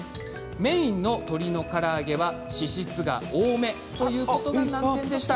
メインの鶏のから揚げは脂質が多めということが難点でした。